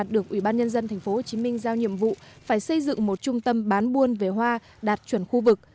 được ủy ban nhân dân tp hồ chí minh giao nhiệm vụ phải xây dựng một trung tâm bán buôn về hoa đạt chuẩn khu vực